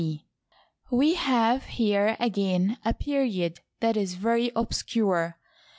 C). We have here again a period that is very obscure.